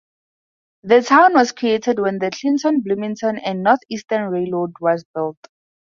The town was created when the Clinton Bloomington and Northeastern Railroad was built.